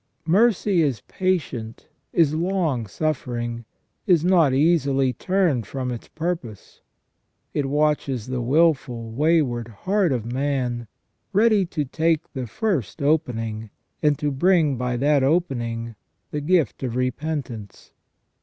Mercy is patient, is long suffering, is not easily turned from its purpose. It watches the wilful, wayward heart of man, ready to take the first opening, and to bring by that opening the gift of repentance.